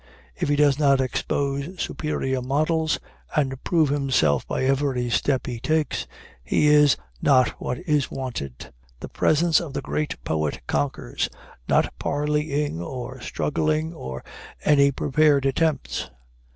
If he does not expose superior models, and prove himself by every step he takes, he is not what is wanted. The presence of the great poet conquers not parleying, or struggling, or any prepared attempts.